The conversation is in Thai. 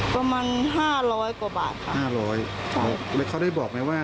ประมาณห้าร้อยกว่าบาทค่ะห้าร้อยอ๋อแล้วเขาได้บอกไหมว่า